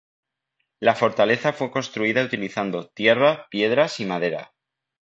La fortaleza fue construida utilizando tierra, piedras y madera.